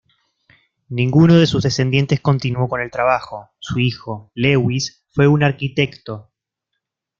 Ninguno de sus descendentes continuó con el trabajo; su hijo, Lewis, fue un arquitecto.